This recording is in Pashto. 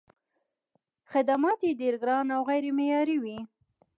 خدمات یې ډېر ګران او غیر معیاري وي.